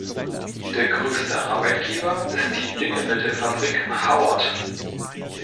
Der grösste Arbeitgeber ist die Düngemittelfabrik Hauert.